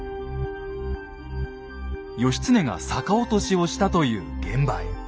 義経が逆落としをしたという現場へ。